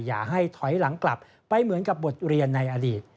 อย่าให้ถอยหลังกลับไปเหมือนกับบทเรียนในอดีต